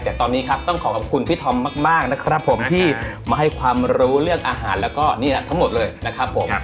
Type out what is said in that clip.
แต่ตอนนี้ครับต้องขอขอบคุณพี่ธอมมากนะครับผมที่มาให้ความรู้เรื่องอาหารแล้วก็นี่แหละทั้งหมดเลยนะครับผม